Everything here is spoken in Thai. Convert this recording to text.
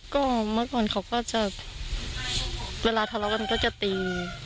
ก็เมื่อก่อนเขาก็จะเวลาทะเลาะกันก็จะตี